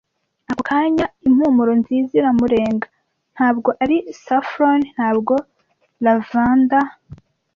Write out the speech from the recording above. Ako kanya impumuro nziza iramurenga - ntabwo ari saffron, ntabwo lavender,